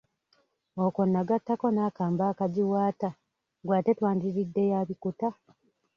Okwo nagattako n'akambe akagiwaata, ggwe ate twandiridde ya bikuta?